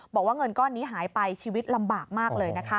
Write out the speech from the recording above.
บอกว่าเงินก้อนนี้หายไปชีวิตลำบากมากเลยนะคะ